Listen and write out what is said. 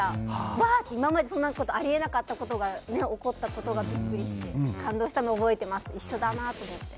わー！って今まであり得なかったことが起こってビックリして感動したのを覚えてます一緒だなって思って。